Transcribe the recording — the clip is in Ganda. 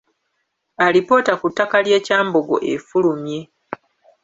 Alipoota ku ttaka ly’e Kyambogo efulumye.